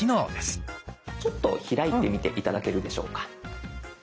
ちょっと開いてみて頂けるでしょうか？